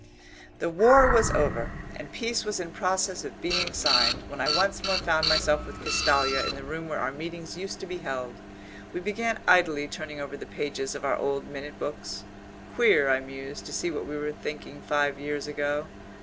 The war was over and peace was in process of being signed, when I once more found myself with Castalia in the room where our meetings used to be held. We began idly turning over the pages of our old minute books. "Queer," I mused, "to see what we were thinking five years ago."